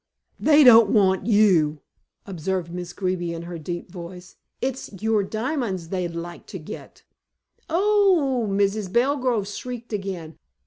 "They don't want you," observed Miss Greeby in her deep voice. "It's your diamonds they'd like to get." "Oh!" Mrs. Belgrove shrieked again.